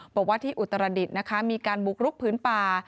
บอกว่าที่อุตรดิษฐ์นะคะมีการบุกรุกพื้นป่า